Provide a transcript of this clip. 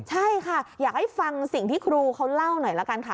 ใช่ค่ะอยากให้ฟังสิ่งที่ครูเขาเล่าหน่อยละกันค่ะ